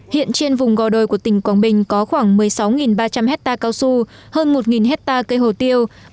hiện trên vùng gò đồi của tỉnh quảng bình có khoảng một mươi sáu ba trăm linh hectare cao su hơn một hectare cây hồ tiêu